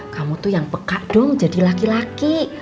kamu tuh yang peka dong jadi laki laki